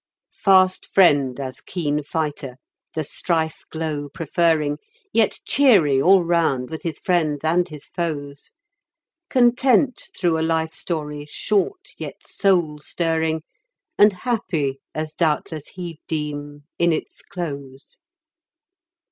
Fast friend as keen fighter, the strife glow preferring, Yet cheery all round with his friends and his foes; Content through a life story short, yet soul stirring And happy, as doubtless he'd deem, in its close."